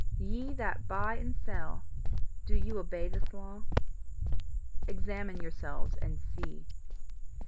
Ye that buy and sell, do you obey this law? Examine yourselves and see.